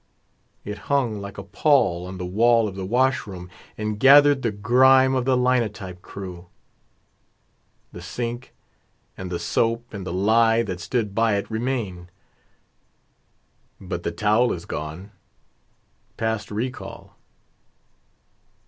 It hung like a pall on the wall of the washroom, And gathered the grime of the linotype crew. The sink and the soap and the lye that stood by it Remain; but the towel is gone past recall.